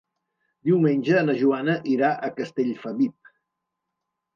Diumenge na Joana irà a Castellfabib.